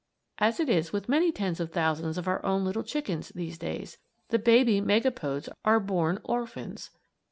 As it is with many tens of thousands of our own little chickens, these days, the baby megapodes are born orphans.